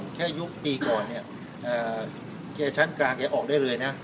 วันแค่ยุคปีก่อนคนขยะชั้นกลางออกได้เลยนะ